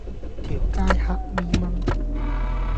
條街黑咪蚊